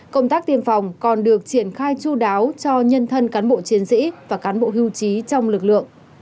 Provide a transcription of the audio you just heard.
công tác tiêm phòng còn được triển khai chú đáo cho nhân thân cán bộ chiến sĩ và cán bộ hưu trí trong lực lượng